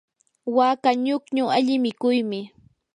waka ñukñu alli mikuymi.